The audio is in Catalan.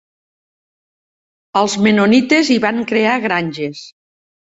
Els Mennonites hi van crear granges.